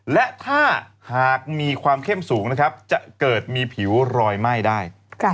และถ้าหากมีความเข้มสูงนะครับจะเกิดมีผิวรอยไหม้ได้